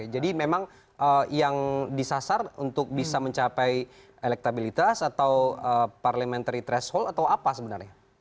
jadi memang yang disasar untuk bisa mencapai elektabilitas atau parliamentary threshold atau apa sebenarnya